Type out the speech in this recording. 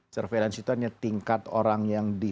surveillance itu hanya tingkat orang yang di